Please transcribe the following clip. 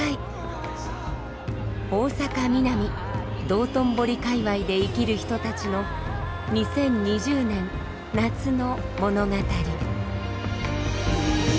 大阪ミナミ道頓堀界わいで生きる人たちの２０２０年夏の物語。